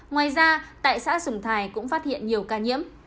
ngoài ra tại xã sùng thái cũng phát hiện nhiều ca nhiễm